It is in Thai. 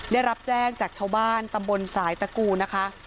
ได้รับแจ้งจากชาวบ้านตำบลสายตะกูนะคะ